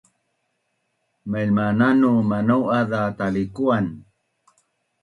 Mailmananu manau’az za talikuan